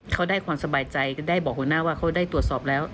เขาได้ความสบายใจได้บอกหัวหน้าว่าเขาได้ตรวจสอบแล้ว